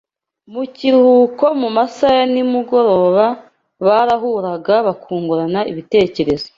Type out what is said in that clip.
Mu kiruhuko mu masaha ya nimugoroba barahuraga bakungurana ibitekerezo